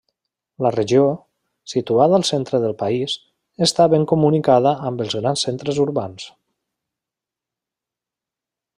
La regió, situada al centre del país, està ben comunicada amb els grans centres urbans.